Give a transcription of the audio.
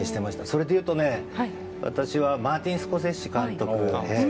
それでいうとマーティン・スコセッシ監督。